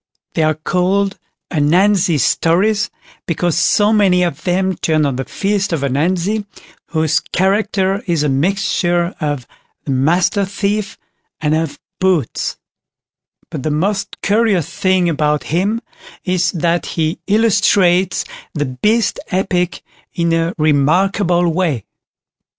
They are called "Ananzi Stories", because so many of them turn on the feats of Ananzi, whose character is a mixture of "the Master thief", and of "Boots"; but the most curious thing about him, is that he illustrates the Beast Epic in a remarkable way.